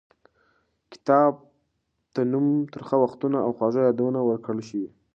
کتاب ته نوم ترخه وختونه او خواږه یادونه ورکړل شوی.